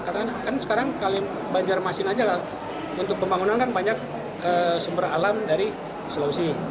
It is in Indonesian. karena kan sekarang banjarmasin aja lah untuk pembangunan kan banyak sumber alam dari sulawesi